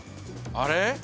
あれ？